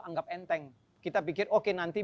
anggap enteng kita pikir oke nanti